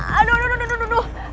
aduh duduh duduh duduh